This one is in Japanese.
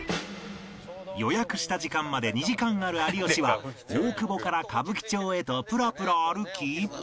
予約した時間まで２時間ある有吉は大久保から歌舞伎町へとぷらぷら歩き